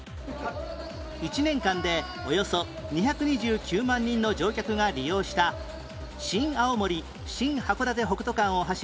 １年間でおよそ２２９万人の乗客が利用した新青森新函館北斗間を走る